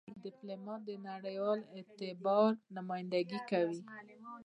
ډيپلومات د نړېوال اعتبار نمایندګي کوي.